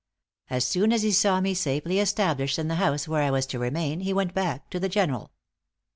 As soon as he saw me safely established in the house where I was to remain, he went back to the General.